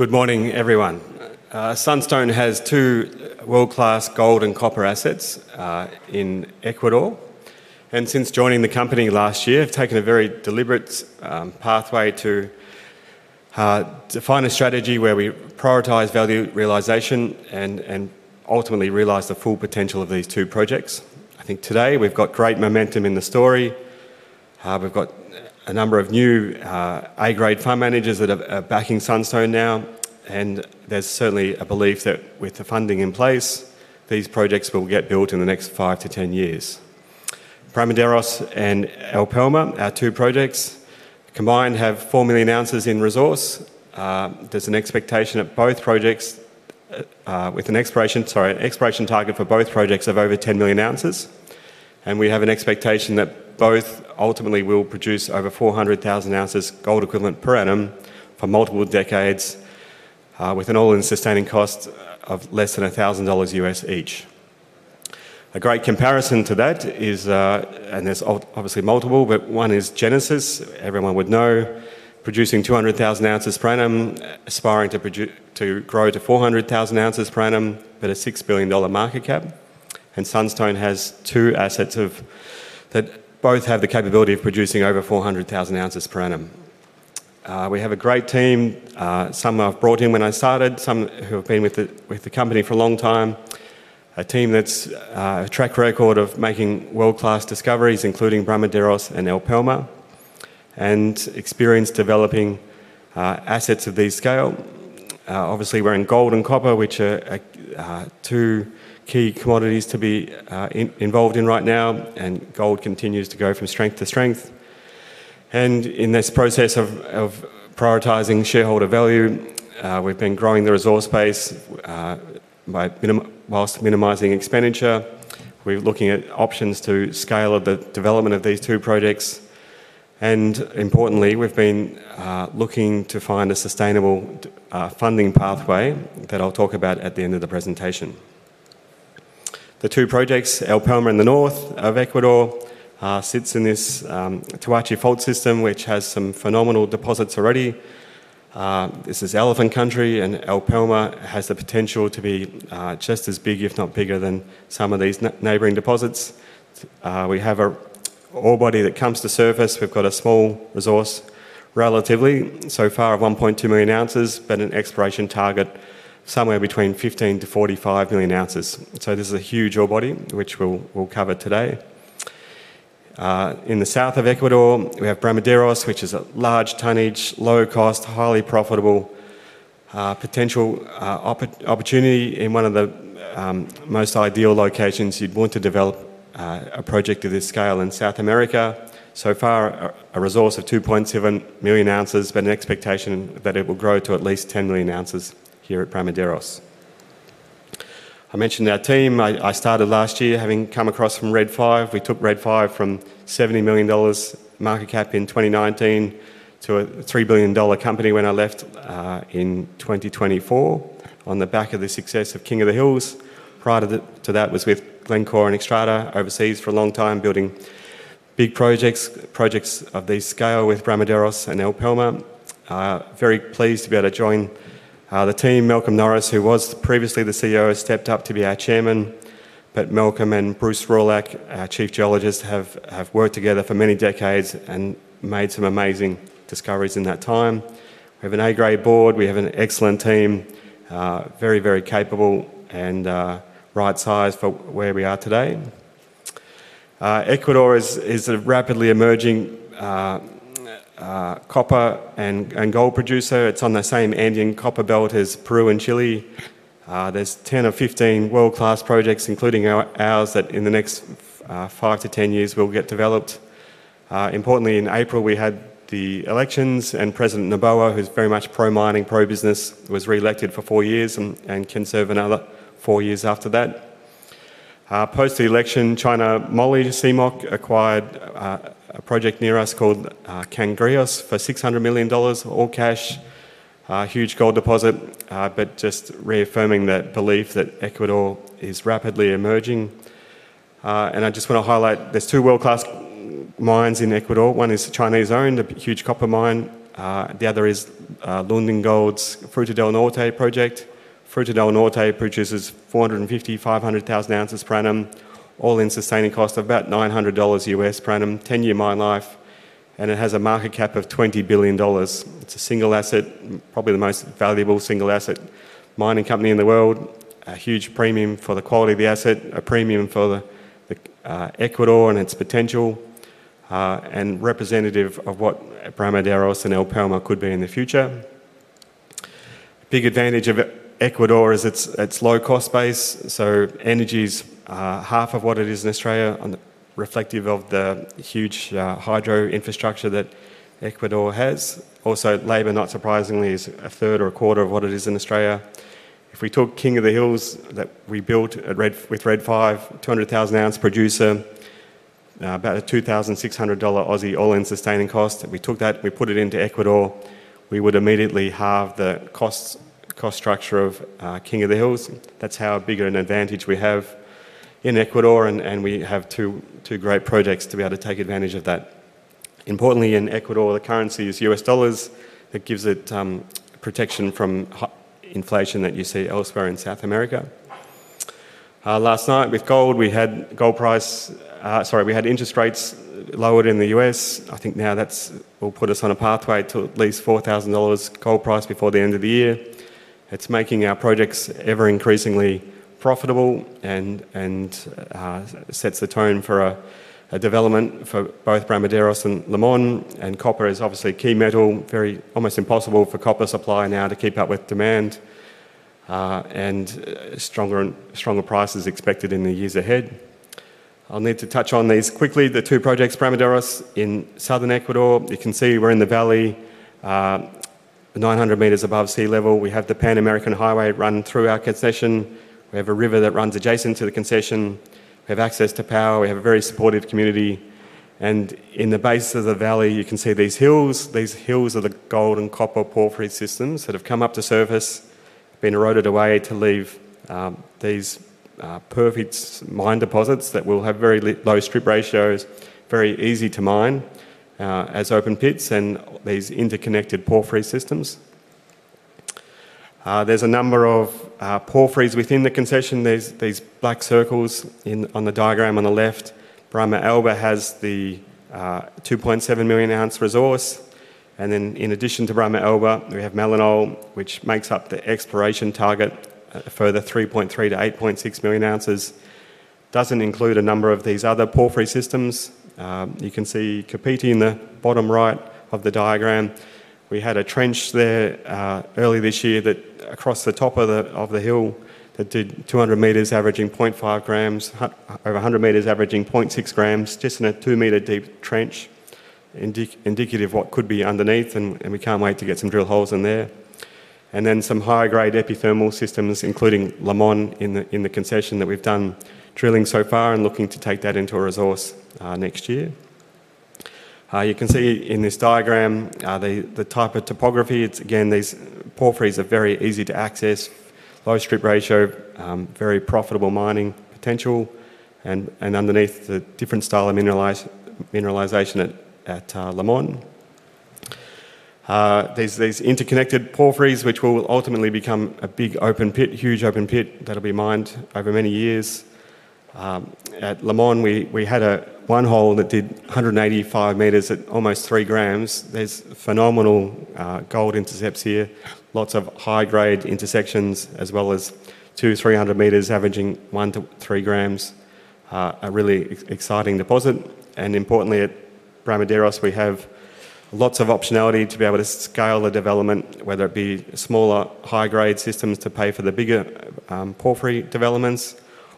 Good morning, everyone. Sunstone has two world-class gold and copper assets in Ecuador. Since joining the company last year, I've taken a very deliberate pathway to define a strategy where we prioritize value realization and ultimately realize the full potential of these two projects. I think today we've got great momentum in the story. We've got a number of new A-grade fund managers that are backing Sunstone now. There's certainly a belief that with the funding in place, these projects will get built in the next 5-10 years. Bramaderos and El Palmar, our two projects combined, have 4 million oz in resource. There's an expectation at both projects, with an exploration target for both projects of over 10 million oz. We have an expectation that both ultimately will produce over 400,000 oz gold equivalent/annum for multiple decades, with an all-in sustaining cost of less than $1,000 each. A great comparison to that is, and there's obviously multiple, but one is Genesis. Everyone would know producing 200,000 oz/annum, aspiring to grow to 400,000 oz/annum at a $6 billion market cap. Sunstone has two assets that both have the capability of producing over 400,000 oz/annum. We have a great team. Some I've brought in when I started, some who have been with the company for a long time. A team that's a track record of making world-class discoveries, including Bramaderos and El Palmar, and experience developing assets of this scale. Obviously, we're in gold and copper, which are two key commodities to be involved in right now. Gold continues to go from strength to strength. In this process of prioritizing shareholder value, we've been growing the resource base whilst minimizing expenditure. We're looking at options to scale the development of these two projects. Importantly, we've been looking to find a sustainable funding pathway that I'll talk about at the end of the presentation. The two projects, El Palmar in the north of Ecuador, sit in this Toachi Fault system, which has some phenomenal deposits already. This is elephant country, and El Palmar has the potential to be just as big, if not bigger, than some of these neighboring deposits. We have an ore body that comes to surface. We've got a small resource, relatively so far, of 1.2 million oz, but an exploration target somewhere between 15 million oz-45 million oz. This is a huge ore body, which we'll cover today. In the south of Ecuador, we have Bramaderos, which is a large tonnage, low cost, highly profitable potential opportunity in one of the most ideal locations you'd want to develop a project of this scale in South America. So far, a resource of 2.7 million oz, but an expectation that it will grow to at least 10 million oz here at Bramaderos. I mentioned our team. I started last year having come across from Red 5. We took Red 5 from $70 million market cap in 2019 to a $3 billion company when I left in 2024 on the back of the success of King of the Hills. Prior to that, I was with Glencore and Xstrata overseas for a long time, building big projects of this scale with Bramaderos and El Palmar. I'm very pleased to be able to join the team. Malcolm Norris, who was previously the CEO, stepped up to be our Chairman. Malcolm and Bruce Rohrlach, our Chief Geologist, have worked together for many decades and made some amazing discoveries in that time. We have an A-grade board. We have an excellent team, very, very capable and right-sized for where we are today. Ecuador is a rapidly emerging copper and gold producer. It's on the same Andean copper belt as Peru and Chile. There are 10 or 15 world-class projects, including ours, that in the next 5-10 years will get developed. Importantly, in April, we had the elections, and President Daniel Noboa, who's very much pro-mining, pro-business, was re-elected for four years and can serve another four years after that. Post-election, China Molybdenum acquired a project near us called Cangrejos for $600 million, all cash, a huge gold deposit, just reaffirming that belief that Ecuador is rapidly emerging. I want to highlight there's two world-class mines in Ecuador. One is a Chinese-owned huge copper mine. The other is Lundin Gold's Fruta del Norte project. Fruta del Norte produces 450,000 oz-500,000 oz/annum, all-in sustaining cost of about $900/annum, 10-year mine life, and it has a market cap of $20 billion. It's a single asset, probably the most valuable single asset mining company in the world, a huge premium for the quality of the asset, a premium for Ecuador and its potential, and representative of what Bramaderos and El Palmar could be in the future. A big advantage of Ecuador is its low-cost base. Energy is half of what it is in Australia, reflective of the huge hydro infrastructure that Ecuador has. Also, labor, not surprisingly, is a third or a quarter of what it is in Australia. If we took King of the Hills that we built with Red 5, 200,000 oz producer, about a 2,600 Aussie dollars all-in sustaining cost, and we put that into Ecuador, we would immediately halve the cost structure of King of the Hills. That's how big of an advantage we have in Ecuador, and we have two great projects to be able to take advantage of that. Importantly, in Ecuador, the currency is $. It gives it protection from hot inflation that you see elsewhere in South America. Last night with gold, we had interest rates lowered in the U.S. I think now that will put us on a pathway to at least $4,000 gold price before the end of the year. It's making our projects ever increasingly profitable and sets the tone for a development for both Bramaderos and Limon. Copper is obviously a key metal, almost impossible for copper supply now to keep up with demand and stronger prices expected in the years ahead. I'll need to touch on these quickly. The two projects, Bramaderos in southern Ecuador, you can see we're in the valley 900 m above sea level. We have the Pan-American Highway run through our concession. We have a river that runs adjacent to the concession. We have access to power. We have a very supportive community. In the base of the valley, you can see these hills. These hills are the gold and copper porphyry systems that have come up to surface, been eroded away to leave these perfect mine deposits that will have very low strip ratios, very easy to mine as open pits and these interconnected porphyry systems. There's a number of porphyries within the concession. There are these black circles on the diagram on the left. Bramaderos has the 2.7 million oz resource. In addition to Bramaderos, we have Melonal, which makes up the exploration target, a further 3.3 million oz-8.6 million oz. It doesn't include a number of these other porphyry systems. You can see Copete in the bottom right of the diagram. We had a trench there early this year across the top of the hill that did 200 m averaging 0.5 g, over 100 m averaging 0.6 g, just in a two-meter deep trench, indicative of what could be underneath. We can't wait to get some drill holes in there. Then some high-grade epithermal systems, including Limon in the concession that we've done drilling so far and looking to take that into a resource next year. You can see in this diagram the type of topography. These porphyries are very easy to access, low strip ratio, very profitable mining potential. Underneath the different style of mineralization at Limon, there's these interconnected porphyries which will ultimately become a big open pit, huge open pit that'll be mined over many years. At Limon, we had one hole that did 185 m at almost 3 g. There's phenomenal gold intercepts here, lots of high-grade intersections as well as 200 m-300 m averaging 1 g-3 g, a really exciting deposit. Importantly, at Bramaderos, we have lots of optionality to be able to scale the development, whether it be smaller high-grade systems to pay for the bigger porphyry developments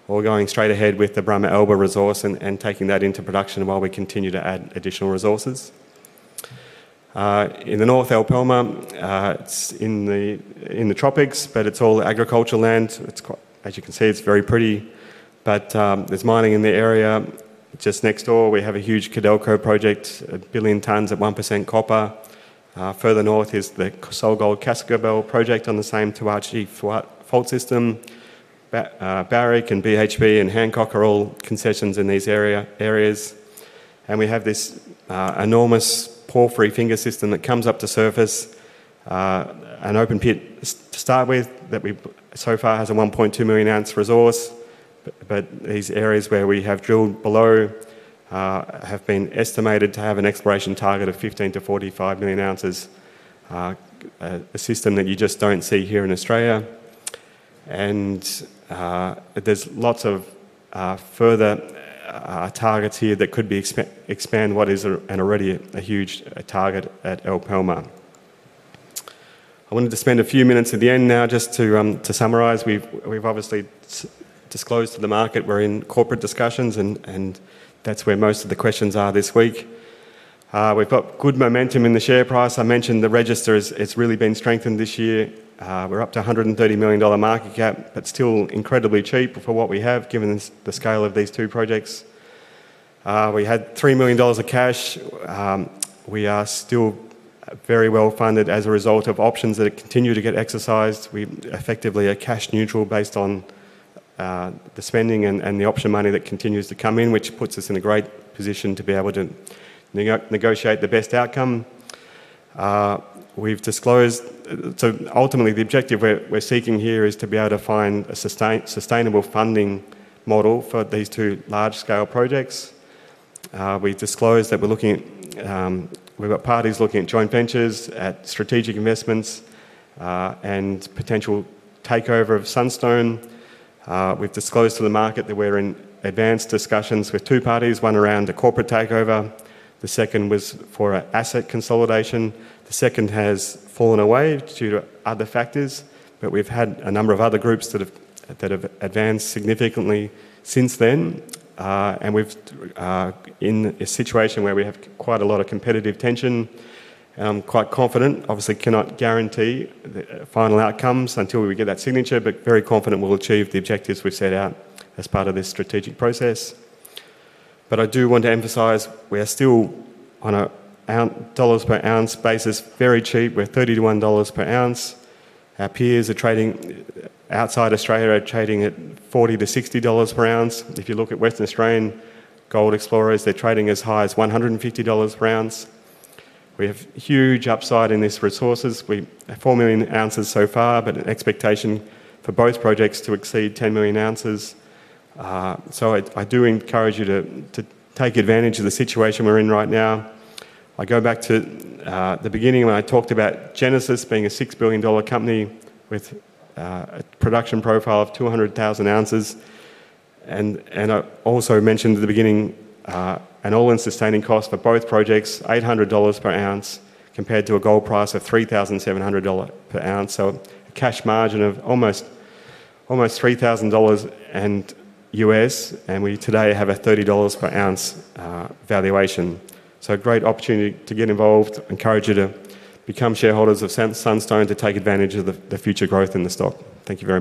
or going straight ahead with the Brama Alba resource and taking that into production while we continue to add additional resources. In the north, El Palmar, it's in the tropics, but it's all agricultural land. As you can see, it's very pretty, but there's mining in the area just next door. We have a huge Codelco project, a billion tons at 1% copper. Further north is the SolGold Cascabel project on the same Toachi Fault system. Barrick and BHP and Hancock are all concessions in these areas. We have this enormous porphyry finger system that comes up to surface, an open pit to start with that so far has a 1.2 million oz resource. These areas where we have drilled below have been estimated to have an exploration target of 15 million oz-45 million oz, a system that you just don't see here in Australia. There are lots of further targets here that could be expanded, what is already a huge target at El Palmar. I wanted to spend a few minutes at the end now just to summarize. We've obviously disclosed to the market we're in corporate discussions, and that's where most of the questions are this week. We've got good momentum in the share price. I mentioned the register has really been strengthened this year. We're up to $130 million market cap, but still incredibly cheap for what we have, given the scale of these two projects. We had $3 million of cash. We are still very well funded as a result of options that continue to get exercised. We effectively are cash neutral based on the spending and the option money that continues to come in, which puts us in a great position to be able to negotiate the best outcome. We've disclosed, so ultimately the objective we're seeking here is to be able to find a sustainable funding model for these two large-scale projects. We've disclosed that we're looking at, we've got parties looking at joint ventures, at strategic investments, and potential takeover of Sunstone. We've disclosed to the market that we're in advanced discussions with two parties, one around a corporate takeover. The second was for asset consolidation. The second has fallen away due to other factors, but we've had a number of other groups that have advanced significantly since then. We are in a situation where we have quite a lot of competitive tension. I'm quite confident, obviously cannot guarantee the final outcomes until we get that signature, but very confident we'll achieve the objectives we've set out as part of this strategic process. I do want to emphasize we are still on a dollars per oz basis, very cheap. We're $31/oz. Our peers are trading outside Australia, trading at $40-$60/oz. If you look at Western Australian gold explorers, they're trading as high as $150/oz. We have huge upside in these resources. We have 4 million oz so far, but an expectation for both projects to exceed 10 million oz. I do encourage you to take advantage of the situation we're in right now. I go back to the beginning when I talked about Genesis being a $6 billion company with a production profile of 200,000 oz. I also mentioned at the beginning an all-in sustaining cost for both projects, $800/oz compared to a gold price of $3,700/oz. A cash margin of almost $3,000. We today have a $30/oz valuation. A great opportunity to get involved. I encourage you to become shareholders of Sunstone to take advantage of the future growth in the stock. Thank you very much.